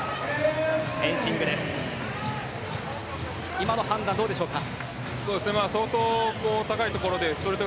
今の判断どうでしょうか。